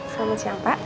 selamat siang pak